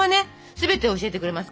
全てを教えてくれますから。